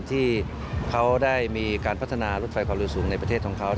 ที่เขาได้มีการพัฒนารถไฟความเร็วสูงในประเทศของเขา